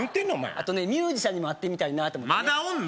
あとミュージシャンにも会ってみたいなまだおんの？